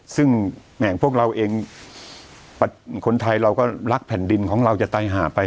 ซึ่งแหม่งพวกเราเองคนไทยเราก็รักแผ่นดินของเราจะไตหาไป